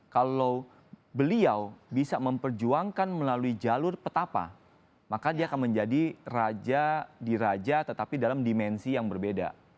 kalau beliau bisa memperjuangkan melalui jalur petapa maka dia akan menjadi raja di raja tetapi dalam dimensi yang berbeda